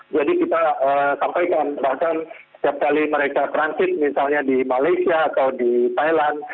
jadi kita sampaikan bahkan setiap kali mereka transit misalnya di malaysia atau di thailand